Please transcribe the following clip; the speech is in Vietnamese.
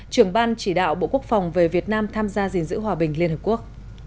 trưởng ban chỉ đạo bộ quốc phòng về việt nam tham gia dình dữ hòa bình liên hợp quốc